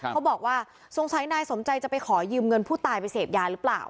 เขาบอกว่าสงสัยนายสมใจจะไปขอยืมเงินผู้ตายไปเสพยาหรือเปล่า